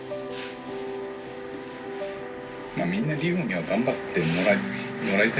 みんなリホには頑張ってもらいたいから。